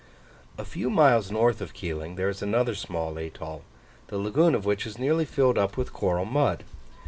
A few miles north of Keeling there is another small atoll, the lagoon of which is nearly filled up with coral mud.